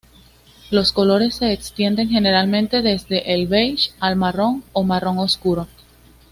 Los colores se extienden generalmente desde el beige al marrón o marrón oscuro.